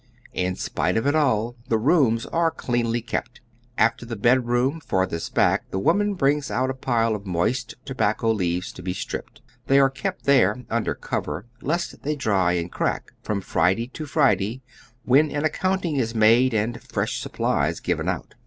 In spite of it all, the rooms are cleanly kept. From the bedroom farthest back tlie woman brings out a pile of moist tobacco leaves to be stripped. They are kept there, under cover lest they dry and crack, from Fri day to Friday, when an accounting is made and fresh supplies given out.